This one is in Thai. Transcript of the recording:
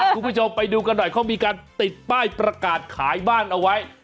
คุณผู้ชมไปดูกันหน่อยเขามีการติดป้ายประกาศขายบ้านเอาไว้